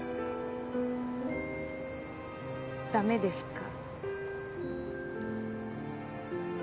駄目ですか？